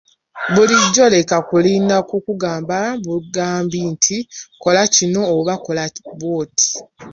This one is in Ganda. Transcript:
Bulijjo leka kulinda kukugamba bugambi nti kola kino oba kola bwoti.